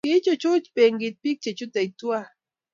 kiichuchuch benkit biik che chutei tuwai